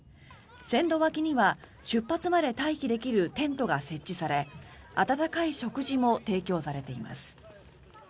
線路脇には出発まで待機できるテントが設置され温かい食事も提供されています。